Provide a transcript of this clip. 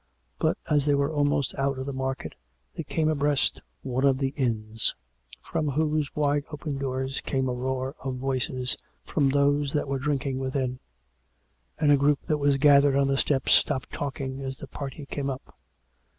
But as they were almost out of the market they came abreast one of the inns from whose wide open doors came a roar of voices from those that were drinking within, and a group that was gathered on the step stopped talking as the party came up.